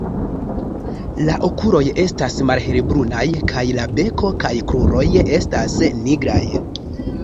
La okuloj estas malhelbrunaj kaj la beko kaj kruroj estas nigraj.